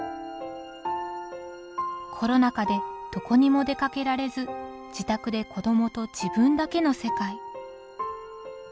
コロナ禍でどこにも出かけられず自宅で子どもと自分だけの世界。